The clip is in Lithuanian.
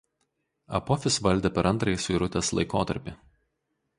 Apofis valdė per antrąjį suirutės laikotarpį.